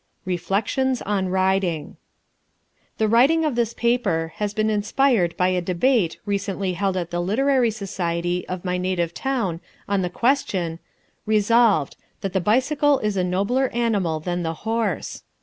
Reflections on Riding The writing of this paper has been inspired by a debate recently held at the literary society of my native town on the question, "Resolved: that the bicycle is a nobler animal than the horse."